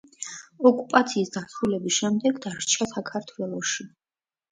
ოკუპაციის დასრულების შემდეგ დარჩა საქართველოში.